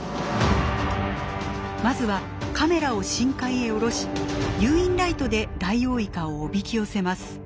まずはカメラを深海へ下ろし誘引ライトでダイオウイカをおびき寄せます。